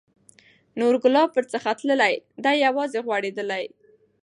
نور ګلاب ورڅخه تللي، دی یوازي غوړېدلی